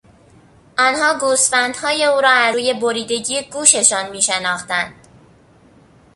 آنها گوسفندهای او را از روی بریدگی گوششان میشناختند.